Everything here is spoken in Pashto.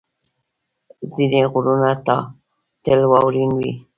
ځینې غرونه تل واورین وي.